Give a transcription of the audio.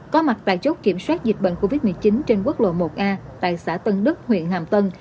có mặt tại chốt kiểm soát dịch bệnh covid một mươi chín trên quốc lộ một a tại xã tân đức huyện hàm tân